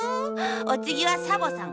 おつぎはサボさん。